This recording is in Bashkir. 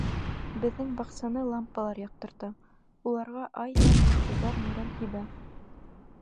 Беҙҙең баҡсаны лампалар яҡтырта, уларға ай һәм йондоҙҙар нурын һибә.